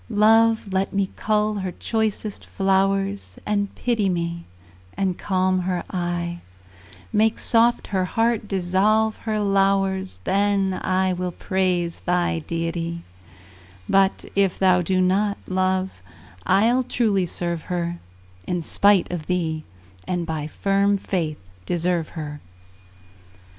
Love, let me cull her choicest flowers, And pity me, and calm her eye; Make soft her heart, dissolve her lowers, Then will I praise thy deity, But if thou do not, Love, I'll truly serve her In spite of thee, and by firm faith deserve her.